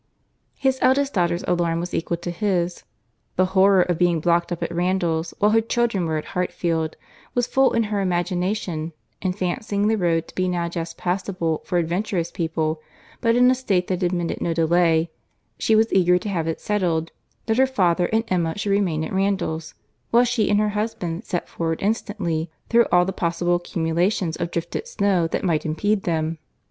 His eldest daughter's alarm was equal to his own. The horror of being blocked up at Randalls, while her children were at Hartfield, was full in her imagination; and fancying the road to be now just passable for adventurous people, but in a state that admitted no delay, she was eager to have it settled, that her father and Emma should remain at Randalls, while she and her husband set forward instantly through all the possible accumulations of drifted snow that might impede them.